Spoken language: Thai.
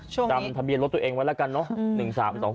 จำทะเบียนรถตัวเองไว้แล้วกันเนอะ